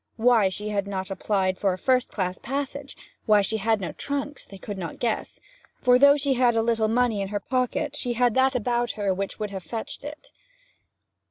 Why she had not applied for a first class passage, why she had no trunks, they could not guess, for though she had little money in her pocket she had that about her which would have fetched it.